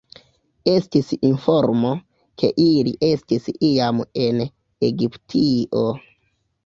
Estis informo, ke ili estis iam en Egiptio.